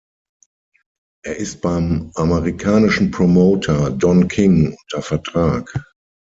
Er ist beim amerikanischen Promoter Don King unter Vertrag.